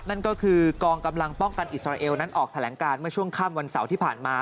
นั่นก็คือกองกำลังป้องกันอิสราเอลนั้นออกแถลงการเมื่อช่วงค่ำวันเสาร์ที่ผ่านมา